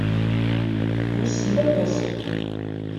Wissen ma ad-asen?